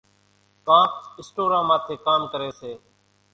ڪانڪ اِسٽوران ماٿيَ ڪام ڪريَ سي۔